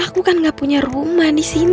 aku kan gak punya rumah di sini